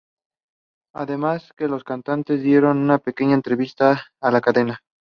Además de que los cantantes dieron una pequeña entrevista a la cadena.